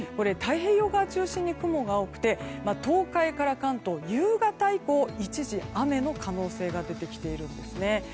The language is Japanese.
太平洋側を中心に雲が多くて東海から関東夕方以降、一時雨の可能性が出てきているんですね。